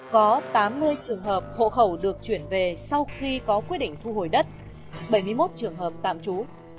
có tám mươi trường hợp hộ khẩu được chuyển về sau khi có quyết định thu hồi đất bảy mươi một trường hợp tạm trú